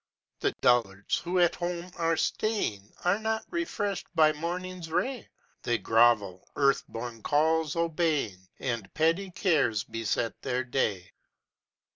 "The dullards who at home are staying Are not refreshed by morning's ray; They grovel, earth born calls obeying, And petty cares beset their day.